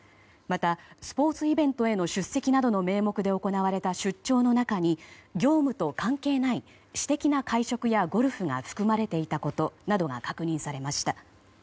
また、スポーツイベントへの出席などの名目で行われた出張の中に業務と関係ない私的な会食やゴルフが含まれていたことなどが確認されました。